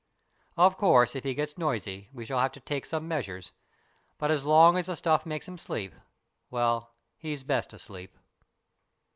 Of course, if he gets noisy, we shall have to take some measures, but as long as the stuff makes him sleep well, he's best asleep."